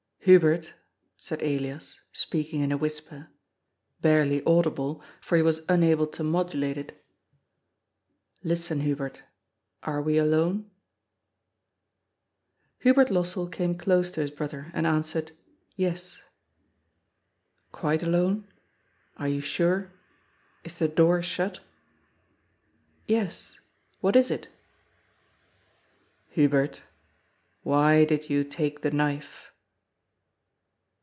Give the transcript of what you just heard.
"Hubert," said Elias, speaking in a whisper (barely audible, for he was unable to modulate it). " Listen, Hubert, are we alone ?" Hubert Lossell came close to his brother and answered, " Yes." " Quite alone ? Are you sure ? Is the door shut ?" "Yes. What is it?" " Hubert, why did you take the knife